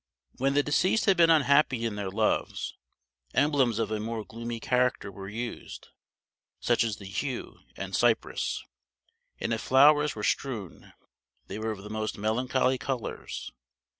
When the deceased had been unhappy in their loves, emblems of a more gloomy character were used, such as the yew and cypress, and if flowers were strewn, they were of the most melancholy colors.